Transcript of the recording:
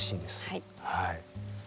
はい。